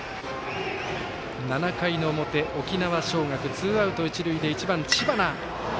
７回の表、沖縄尚学ツーアウト、一塁で１番、知花。